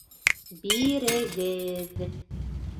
Бирегеҙ!